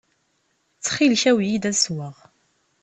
Ttxil-k, awi-yi-d ad sweɣ.